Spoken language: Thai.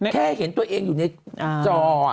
แค่เห็นตัวเองอยู่ในจอ